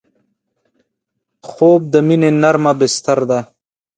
خوب د مینې نرمه بستر ده